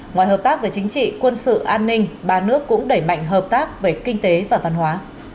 ngoài hợp tác về chính trị quân sự an ninh ba nước cũng đẩy mạnh hợp tác về kinh tế và văn hóa